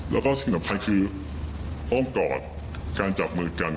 แล้วก็สิ่งสำคัญคืออ้อมกอดการจับมือกัน